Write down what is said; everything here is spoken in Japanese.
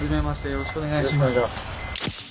よろしくお願いします。